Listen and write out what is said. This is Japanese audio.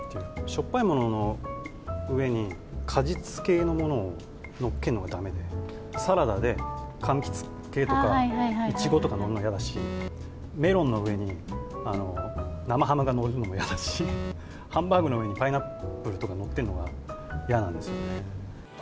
しょっぱいものの上に、果実系のものをのっけるのがだめで、サラダで、かんきつ系とか、イチゴとか載るの嫌だし、メロンの上に生ハムが載るのも嫌だし、ハンバーグの上にパイナップルとか載ってるのが嫌なんですよね。